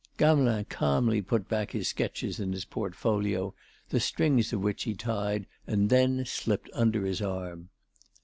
Gamelin calmly put back his sketches in his portfolio, the strings of which he tied and then slipped it under his arm.